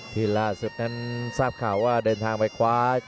ที่ล่าสุดนั้นทราบข่าวว่าเหลียดเดินทางไปทะโว้ย